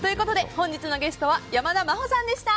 本日のゲストは山田真歩さんでした。